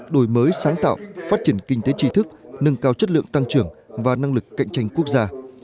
đổi mới sáng tạo phát triển kinh tế tri thức nâng cao chất lượng tăng trưởng và năng lực cạnh tranh quốc gia